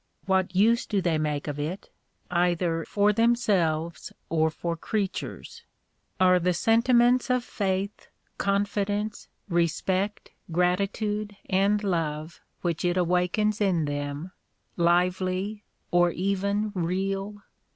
What use do they make of it, either for themselves or for crea tures? Are the sentiments of faith, confi 228 The Sign of the Cross. 229 dence, respect, gratitude and love which it awakens in them, lively, or even real?